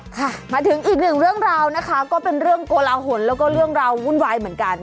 ค่ะมาถึงอีกหนึ่งเรื่องราวนะคะก็เป็นเรื่องโกลาหลแล้วก็เรื่องราววุ่นวายเหมือนกัน